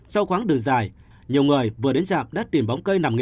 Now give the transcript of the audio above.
sau khoáng đường dài nhiều người vừa đến trạm đã tìm bóng cây nằm nghỉ